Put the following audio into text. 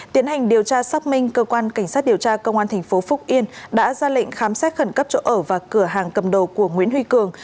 tiến hành điều tra xác minh cơ quan cảnh sát điều tra công an tp phúc yên đã ra lệnh khám xét khẩn cấp chỗ ở và cửa hàng cầm đồ của nguyễn huy cường